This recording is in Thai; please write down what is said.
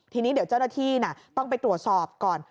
ทีนี้เดี๋ยวเจ้าหน้าที่ต้องไปตรวจสอบก่อน